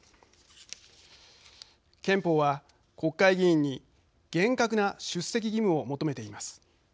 憲法は国会議員に厳格な出席義務を求めています。